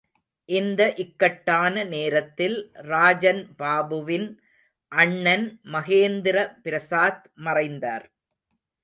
இந்த இக்கட்டான நேரத்தில், ராஜன் பாபுவின் அண்ணன் மகேந்திர பிரசாத் மறைந்தார்.